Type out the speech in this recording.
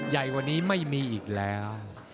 ใหญ่กว่านี้ไม่มีอีกแล้ว